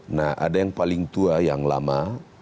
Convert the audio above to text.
nah ada yang paling tua yang lama